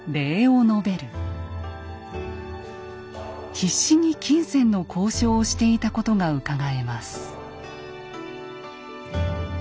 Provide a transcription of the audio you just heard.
必死に金銭の交渉をしていたことがうかがえます。